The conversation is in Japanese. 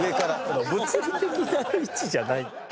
物理的な位置じゃない。